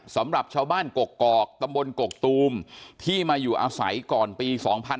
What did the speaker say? สำหรับชาวบ้านกกอกตำบลกกตูมที่มาอยู่อาศัยก่อนปี๒๕๕๙